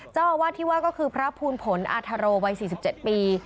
เจ้าอาวาสที่ว่าก็คือพระภูลผลอาทโรวัย๔๗ปี